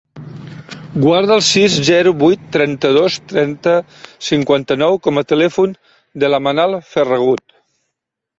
Guarda el sis, zero, vuit, trenta-dos, trenta, cinquanta-nou com a telèfon de la Manal Ferragut.